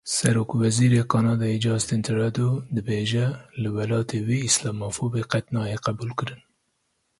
Serokwezîrê Kanadayê Justin Trudeau dibêje, li welatê wî îslamofobî qet nayê qebûlkirin.